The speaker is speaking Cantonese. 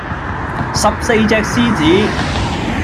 十四隻獅子